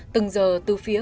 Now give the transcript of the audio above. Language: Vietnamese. từng giờ từ phía